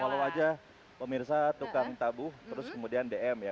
follow aja pemirsa tukang tabuh terus kemudian dm ya